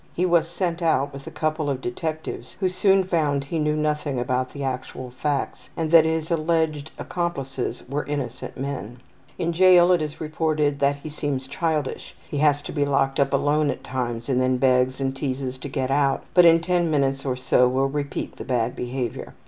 He was sent out with a couple of detectives who soon found he knew nothing about the actual facts, and that his alleged accomplices were innocent men. In jail it is reported that he seems childish. He has to be locked up alone at times and then begs and teases to get out, but in ten minutes or so will repeat the bad behavior.